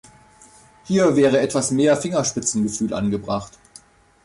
Hier wäre etwas mehr Fingerspitzengefühl angebracht.